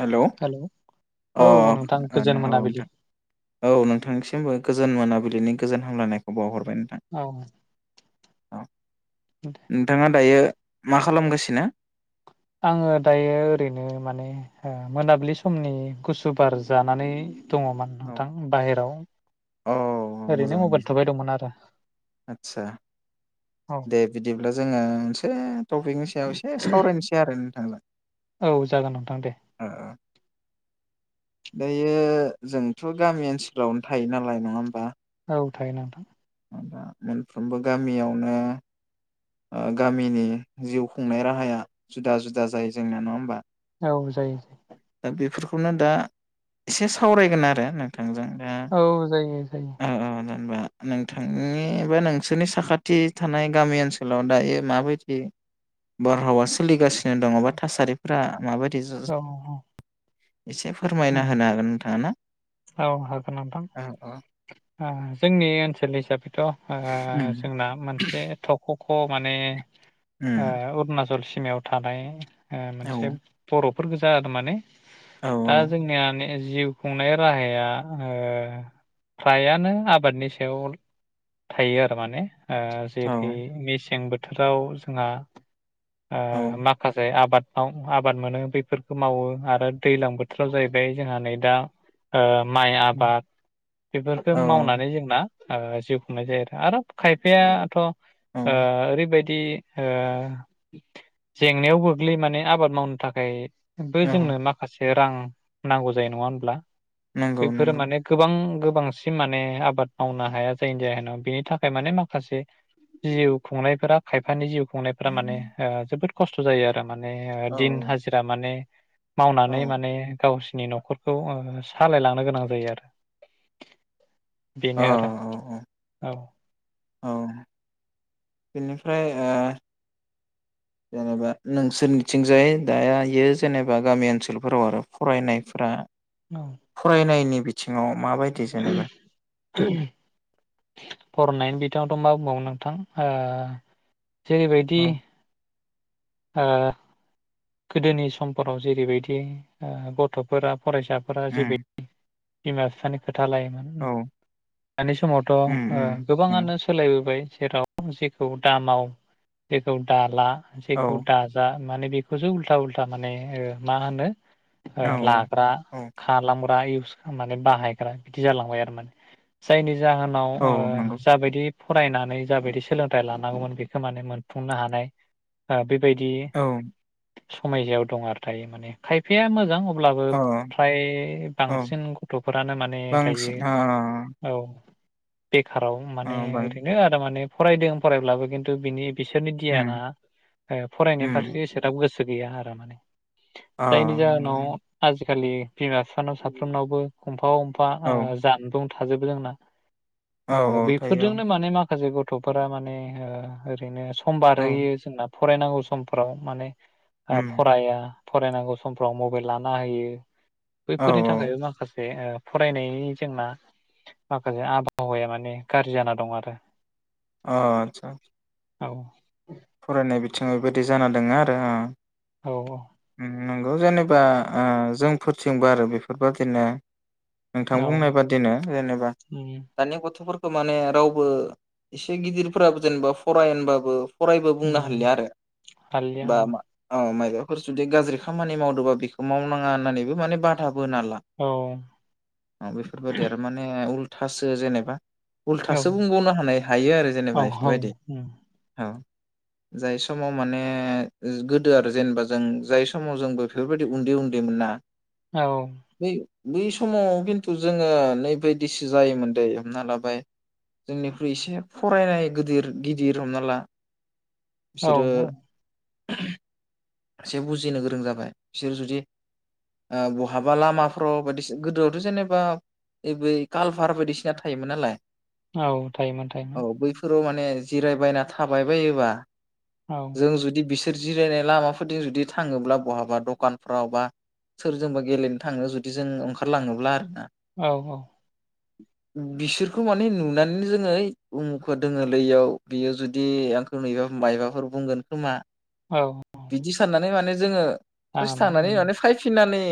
Hello अ' ओ औ नोंथां औ गोजोन मोनाबिलि नोंथां औ नोंथांनिसिमबो गोज जोन मोनाबिलिनि गोजोन हामलायनायखौ बावहर बाय नोंथां औ औ नोंथाङा दायो मा खालामगासिनो? आङो दायो ओरैनो माने ओ मोनाबिलि समनि गुसु बार जानानै दङमोन औ नोंथां बायह्राव औ ओरैनो मोजां मबाइल मोजां थुबाय दंमोन आरो। आदसा औ दे बिदिब्ला जोङो मोनसे टपिकनि सायाव एसे सावरायनोसै आरो उम [unintelligible] औ जागोन नोंथां दे। दायो जोंथ' गामि ओनसोलावनो थायो नालाय नङा होमबा? औ थायो नोंथां। दा मोनफ्रोमबो गामियावनो ओ गामिनि जिउ खुंनाय राहाया जुदा जुदा जायो जोंना नङा होमबा? औ जायो जायो। खौनो दा एसे सावरायगोन आरो नों औ जायो जायो। होमबा नोंथांनि बा नोंसोरनि साखाथि थानाय गामि ओनसोल लाव दायो माबायदि बार हावा सोलिगासिनो दङ बा थासारिफोरा माबाय औ औ फोरमायना होनो हागोन नोंथाङा ना? औ औ हागोन नोंथां औ औ ओ जोंनि ओनसोल हिसाबै थ' ओ उम जोंना मोनसे थख' ख' माने ओ उम अरुणाचल सि मायाव थानाय ओ औ मोनसे बरफ फोर गोजा आरो माने औ दा जोंनिया जिउ खुंनाय राहाया ओ फ्रायानो आबादनि सायाव थायो आरो माने ओ औ जेरै मेसें बो थोराव जोंहा औ ओ माखासे आबाद आव आबाद मोनो बेफोरखौ मावो आरो दैलां बो थोराव जाहैबाय जोंहा नै दा ओ माइ आबाद बेफोरखौ औ मावनानै जोंना जिउ खुंनाय जायो आरो आरो खायफायाथ आ औ ओरैबायदि बि जेंनायाव गोग्लै माने आबाद मावनो थाखाय बो औ जोंनो माखासे रां नांगौ जायो नङा होनब्ला। नंगौ बेफोरो नंगौ माने गोबां बांसिन माने आबाद मावनो हाया जायनि जाहोनाव बिनि थाखाय माने माखासे जिउ खुंनायफोरा खायफानि जिउ खांनायफ्रा माने जोबोद खस्थ जायो आरो। माने औ दिन हाजिरा माने मावनानै औ माने गावसोरनि न'खरखौ सालाय लांनो गोनां जायो आरो । औ बेनो आरो औ औ औ बेनिफ्राय ओ जेनेबा नोंसोरनिथिंजाय दायो जेनेबा गामि ओनसोलफोराव आरो फरायनायफोरा औ फरायनायनि सिङाव माबायदि जेनेबा? फरायनायनि बिथिङावथ मा बुंबावो नोंथां आ जेरै बायदि औ आ गोदोनि समफोराव जेरैबायदि गथ'फोरा फरायसाफोरा जेबे उम बिमा बिफानि खोथ थालायोमोन औ दानि समावथ' उम उम नंगौ गोबाङानो सोलायबोबाय। जेराव जेखौ दामाव जेखौ दाला औ जेखौ दाजा माने बेखौसो उल्था उल्था माने ओ मा होनो ओ औ लाग्रा औ खालमो बायिस माने बाहायग्रा बिदि जालांबाय आरो माने जायनि जाहोनाव औ ओ नंगौ जाबायदि फरायनानै जाबायदि सोलोंथाइ लानांगौमोन बेखौ माने मोनफुंनो हानाय ओ बेब बैदि औ समायसायाव दं आरो दायो माने खायफाया मोजां अब्लाबो अ फ्राय बां औ बांसिन गथ'फोरानो माने थायो बांसिन अ औ बेखाराव अ माने बां ओरैनो आरो माने फरायदों फरायब्लाबो खिन्थु बिनि, बिसोरनि दियाना उम ओ फरायनाय उम फारसे एसेदाब गोस गोसो गैया आरो माने अ जायनि नंगौ जाहोनाव नंगौ आजि खालि बिमा फिफानाव साफ्रोमनावबो खमफाव फा ओ औ जानबुं थाजोबो जोंना औ ओ औ थायो बेफोरजोंनो औ माने मा फाजे गथ'फोरा माने ओरैनो हम औ बारहोयो जोंनाब फरायनांगौ समफोराव माने आ उम फराया फरायनांगौ समफ्राव मबाइल लाना होयो, औ फोरनि थाखायबो माखास बे ओ फरायनायनि जोंना माखासे आबहावाया माने गाज्रि जाना दं आरो आ आदसा औ फरायनाय बिथिङाव बेबायदि जाना दङ आरो आ औ औ नंगौ जेनेबा ओ जोंफोरथिंबो आरो बेफोरबादिनो, औ नोंथां बुंनाय बादिनो जेनेबा उम दानि गथ'फोर खो माने रावबो एसे गिदिरफोराबो जेनेबा फराय होनबाबो, फरायबो बुंनो उम हालिया आरो हालिया औ बा मा अ मानोबा, फोर जुदि गाज्रि खामानि मावदोंबा बेखौ मावनाङा होन्नानैबो माने बादा बोना ला औ बेफोरबायदि आरो माने उल थासो जेनेबा औ उल्थासो बुंबावनो हानाय हायो आरो औ जेनेबा बेफोरबायदि उम औ जाय समाव माने गोदो आरो जेनेबा जों जाय समाव जोंबो बेफोरबायदि उन्दै उन्दै मोना, औ बै बै समाव खिन्थु जोङो नै बिदिसो जायोमोन दै हमना लाबाय जोंनिख्रुइ एसे फरायनाय गिदिर गिदिर हमना ला औ बिसोरो [unintelligible] एसे बुजिनो गोरों जाबाय बिसोर जुदि ओ बहाबा लामाफ्राव बायदिना गोदोआवथ जेनेबा बै कालभार बायदिसिना थायोमोन नालाय। औ थायोमोन थायोमोन। ने जिरायबायना थाबाय बायोबा। औ जों जुदि बिसोर सोरजिलायनाय लामा। [unintelligible] जुदि थाङोब्ला बहाबा दखानफ्राव बा सोरजोंबा गेलेनो थाङो जुदि जों ओंखारलाङोब्ला आरो ना औ औ। बिसोरखौ माने नुनानैनो जोङो उमुखौ दोङोलै इयाव बियो जुदि आंखौ नुयो मायबाफोर बुंगोन खोमा औ। बिदि साननानै माने जोङो। ससे नाङामोन थांनानै माने फायफिननानै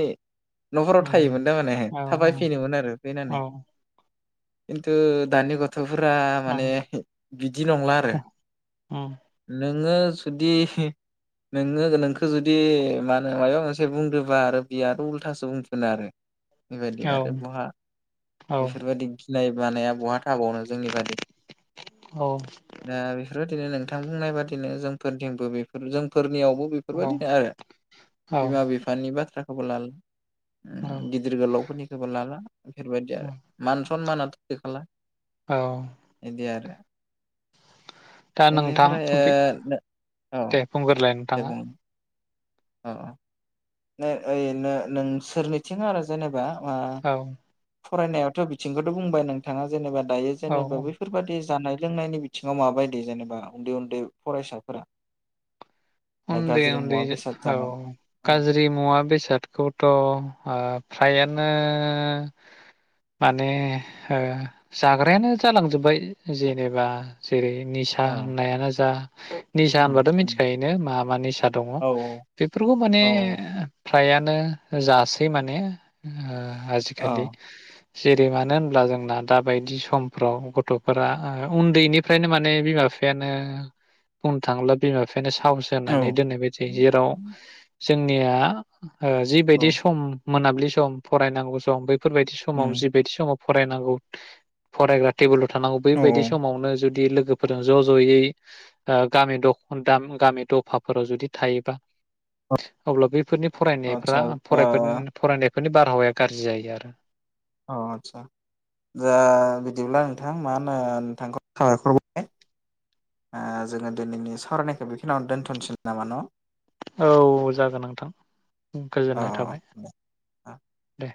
[inaudible] नखराव उम थायोमोन थारमाने औ थाबाय फिनोमोन आरो फैनानै। औ खिन्थु दानि गथ गथफोरा औ माने उम बिदि नंला औ आरो। नों [unintelligible] जुदि नोङो नोंखौ जुदि मा होनो मायबा मोनसे बुंदोंबा आरो बिराद उल्थासो बुंफिनो आरो। बेबायदि आरो बहा बेफोरबायदि गिनाय मानाया बहा थाबावनो जोंनि बादि औ दा बेफोरबाय नोंथां बुंनाय बादिनो जोंफोरथिंबो बेफोरजों फोरनियाव। औ बेफोरबायदिनो आरो औ बिमा बिफानि बाथ्रा। खब लाल गिदिर गोलावफोरनिखौबो लाला। बेफोरबायदि आरो मान सनमानाथ गैखाला। औ एदि आरो। दा नोंथां बेनिफ्राय बि ओ औ दे बुंग्रोलाय। दे नोंथाङा बुं। अ अ। ओ ओरैनो नोंसोरनिथिं आरो जेनेबा ओ औ फरायनायावथ बिथिंखौथ बुंबाय नोंथांङा जेनेबा। दायो औ जेनेबा बैफोरबादि जानाय लोंनायनि बिथिङाव माबायदि जेनेबा उन्दै उन्दै फरायसाफोरा दा उन्दै गाज्रि उन्दै मुवा बेसाद औ जानाय औ गाज्रि मुवा बेसादखौथ ओ फ्रायानो माने ओ जाग्रायानो जालांजोब्बाय जेनेबा जेरै निसा औ होननायानो जा निसा उम होनबाथ उम मिथिखायो यो मा मा निसा दङ औ बेफोरखौ माने औ फ्रायानो जासै माने औ आजिखालि औ जेरै मानो होनब्ला जोंना दाबायदि समफ्राव गथफोरा उन्दैनिफ्रायनो माने बिमा बिफायानो बुंनो थाङोब्ला बिमा फेनेस थाव औ सेरनानै दोननाय बायदि जायो जेराव जोंनिया ओ जिबायदि औ सम मोनाब्लि सम फरायनांगौ सम बै फोरबायदि समाव उम जिबायदि समाव फरायनांगौ फरायग्रा टेबोल थानांगौ औ बेैबायदि औ समावनो जुदि लो लोगोफोरा ज जयै ओ गामिनि दख गाम गामि दफाफोराव जुदि थायोबा अब्ला बेफोरनि फरायनायफ्रा आतसा ओ फरायफेन फरायनाय बेफोरनि बारहावाया गाज्रि जायो आरो अ आतसा जा बिदिब्ला नोंथां मा होनो नोंथांखौ साबायखर बावबाय ओ जोंङो दिनैनि सावरायनायखौ बेखिनियावनो दोन्थसै नामा न औ जागोन नोंथां औ गोजोननाय थाबाय दे ओ दे